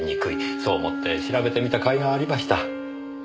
そう思って調べてみたかいがありました。